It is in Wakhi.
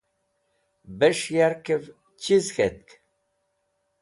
Bes̃h yarkẽv chiz k̃hẽt.